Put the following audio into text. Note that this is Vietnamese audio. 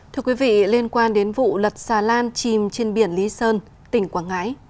thưa quý vị liên quan đến vụ lật xà lan chìm trên biển lý sơn tỉnh quảng ngãi